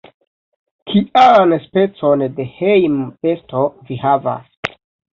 Kian specon de hejmbesto vi havas?